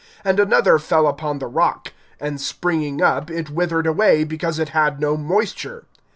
(6)And another fell upon the rock; and springing up, it withered away, because it had no moisture.